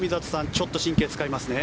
ちょっと神経使いますね。